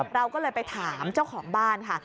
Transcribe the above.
เราก็เลยไปถามเจ้าของบ้านค่ะ